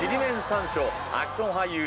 山椒アクション俳優